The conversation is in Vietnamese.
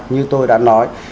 như tôi đã nói